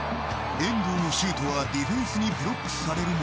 遠藤のシュートはディフェンスにブロックされるも。